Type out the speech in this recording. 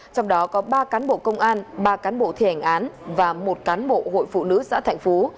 trong đó có ba cán bộ công an ba cán bộ thi hành án và một cán bộ hội phụ nữ xã thạnh phú